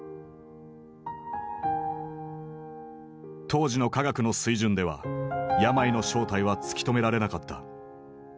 当時の科学の水準では病の正体は突き止められなかった。